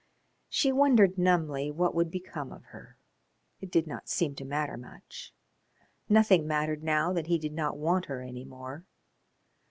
She wondered numbly what would become of her. It did not seem to matter much. Nothing mattered now that he did not want her any more.